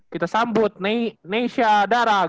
kita sambut neysha dara